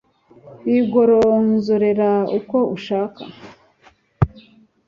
wigoronzorera uko ushaka